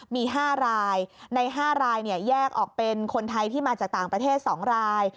มี๕รายใน๕รายแยกออกเป็นคนไทยที่มาจากต่างประเทศ๒ราย